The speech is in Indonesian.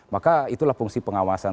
maka itulah fungsi pengawasan